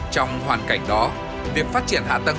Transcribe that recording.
trong hoàn cảnh đó việc phát triển hạ tầng sông hà nội